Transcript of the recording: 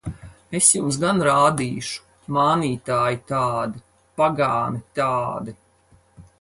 Es jums gan rādīšu! Mānītāji tādi! Pagāni tādi!